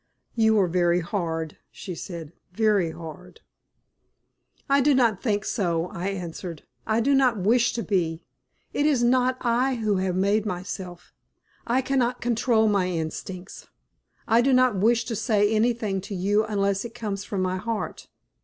"You are very hard," she said "very hard." "I do not think so," I answered. "I do not wish to be. It is not I who have made myself; I cannot control my instincts. I do not wish to say anything to you unless it comes from my heart."